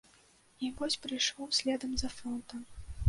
І вось прыйшоў следам за фронтам.